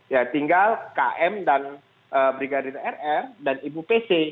ya tinggal km dan brigadir rr dan ibu pc